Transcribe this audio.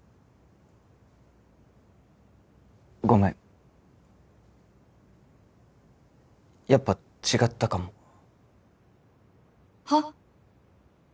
ごめんやっぱ違ったかもはっ？